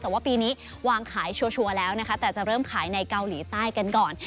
แต่ว่าปีนี้วางขายชัวร์แล้วนะคะแต่จะเริ่มขายในเกาหลีใต้กันก่อน